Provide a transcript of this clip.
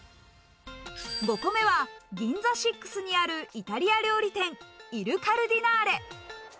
５個目はＧＩＮＺＡＳＩＸにあるイタリア料理店、イル・カルディナーレ。